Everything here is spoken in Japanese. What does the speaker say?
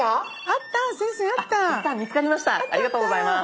ありがとうございます。